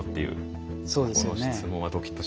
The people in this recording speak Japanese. この質問はドキッとしますよね。